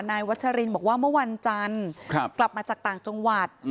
วัชรินบอกว่าเมื่อวันจันทร์กลับมาจากต่างจังหวัด